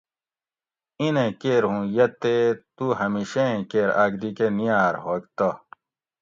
ایں نیں کیر ھوں یہ تے تو ھمیشہ ایں کیر آک دی کہ نیاۤر ھوگ تہ